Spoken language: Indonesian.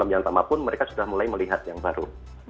film yang tamapun mereka sudah mulai melihat yang baru